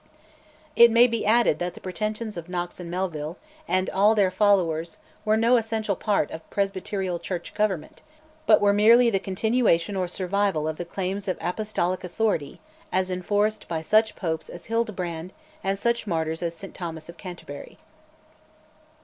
It may be added that the pretensions of Knox and Melville and all their followers were no essential part of Presbyterial Church government, but were merely the continuation or survival of the clerical claims of apostolic authority, as enforced by such popes as Hildebrand and such martyrs as St Thomas of Canterbury.